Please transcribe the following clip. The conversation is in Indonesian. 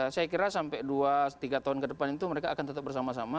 saya kira sampai dua tiga tahun ke depan itu mereka akan tetap bersama sama